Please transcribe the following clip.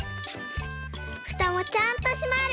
ふたもちゃんとしまる。